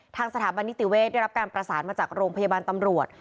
ทางสถาบันนิติเวศได้รับการประสานมาจากโรงพยาบาลตำรวจ